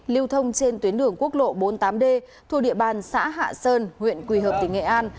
lưu thông trên tuyến đường quốc lộ bốn mươi tám d thuộc địa bàn xã hạ sơn huyện quỳ hợp tỉnh nghệ an